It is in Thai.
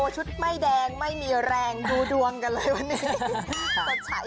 ชุดไม่แดงไม่มีแรงดูดวงกันเลยวันนี้